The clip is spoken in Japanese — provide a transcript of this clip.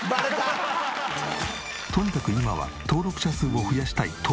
とにかく今は登録者数を増やしたい